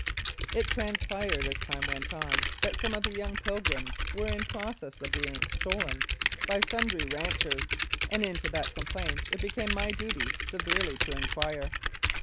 It transpired, as time went on, that some of the young pilgrims were in process of being stolen by sundry ranchers, and into that complaint it became my duty severely to inquire.